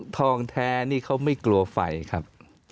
ทองแท้นี่เขาไม่กลัวไฟครับ